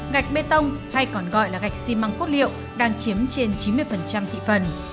gạch bê tông hay còn gọi là gạch xi măng quốc liệu đang chiếm trên chín mươi thị phần